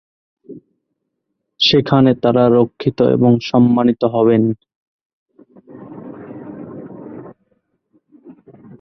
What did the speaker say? সেখানে তারা রক্ষিত এবং সম্মানিত হবেন।